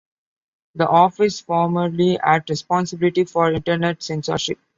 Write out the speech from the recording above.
The office formerly at responsibility for Internet censorship.